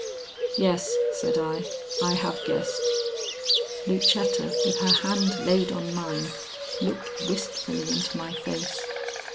"Yes," said I. "I have guessed." Lucetta, with her hand laid on mine, looked wistfully into my face.